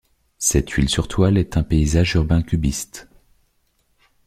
Cette huile sur toile est un paysage urbain cubiste.